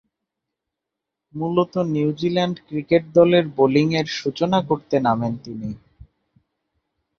মূলতঃ New Zealand cricket দলের বোলিংয়ের সূচনা করতে নামেন তিনি।